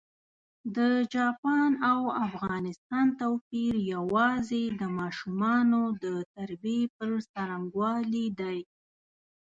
د چاپان او افغانستان توپېر یوازي د ماشومانو د تربیې پر ځرنګوالي دی.